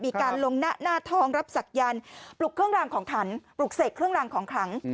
มีการลงหน้าทองรับศักยันต์ปลุกเครื่องรางของขันปลุกเสกเครื่องรางของขลัง